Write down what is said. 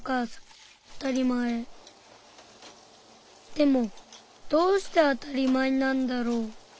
でもどうしてあたりまえなんだろう？